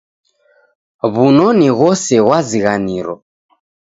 W'unoni ghose ghwazighaniro.